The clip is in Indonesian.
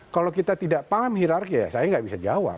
kalau kita tidak paham hirarki ya saya nggak bisa jawab